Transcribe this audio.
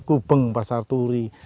gubeng pasar turi